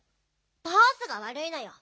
バースがわるいのよ。